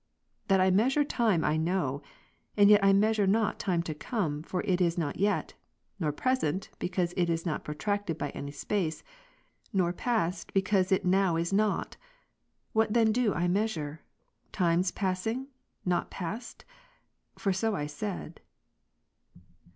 That I mea sure time, I know ; and yet I measure not time to come, for it is not yet; nor present, because it is not protracted by any space ; nor past, because it now is not. What then do I measure ? Times passing, not past ? for so I said.